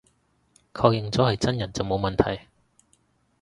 確認咗係真人就冇問題